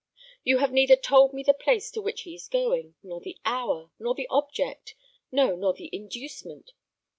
You have neither told me the place to which he is going, nor the hour, nor the object, no, nor the inducement.